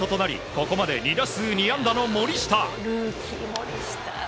ここまで２打数２安打の森下。